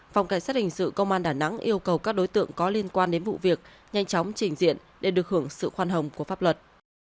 phòng cảnh sát hình sự công an đà nẵng yêu cầu các đối tượng có liên quan đến vụ việc nhanh chóng trình diện để được hưởng sự khoan hồng của pháp luật